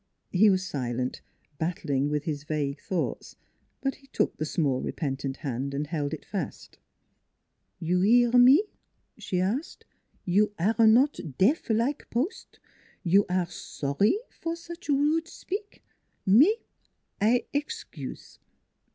He was silent, battling with his vague thoughts ; but he took the small, repentant hand and held it fast. "You 'ear me?" she asked. "You aire not deaf like post? You aire sor ry for such rud' spik? Me, I ex cuse.